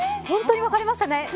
本当に分かれましたね。